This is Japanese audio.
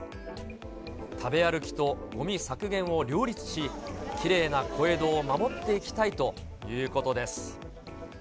食べ歩きと、ごみ削減を両立し、きれいな小江戸を守っていきたいということです。